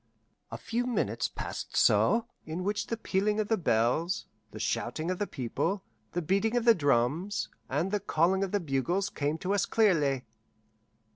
A few minutes passed so, in which the pealing of bells, the shouting of the people, the beating of drums, and the calling of bugles came to us clearly.